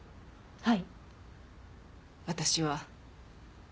はい。